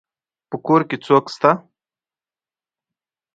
په کور کي څوک سته.